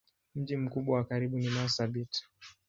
Mji mkubwa wa karibu ni Marsabit.